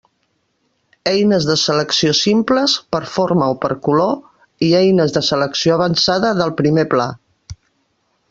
Eines de selecció simples, per forma o per color, i eines de selecció avançada del primer pla.